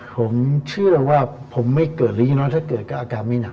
ผมเชื่อว่าผมไม่เกิดหรือยังน้อยถ้าเกิดก็อาการไม่หนัก